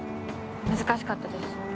難しかったです。